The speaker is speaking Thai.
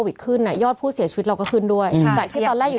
เพื่อไม่ให้เชื้อมันกระจายหรือว่าขยายตัวเพิ่มมากขึ้น